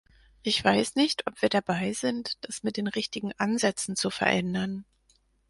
Ich weiß nicht, ob wir dabei sind, das mit den richtigen Ansätzen zu verändern.